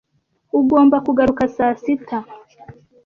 Ugomba kugaruka saa sita.